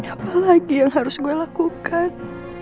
apa lagi yang harus gue lakukan